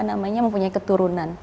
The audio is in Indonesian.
sampai sudah mempunyai keturunan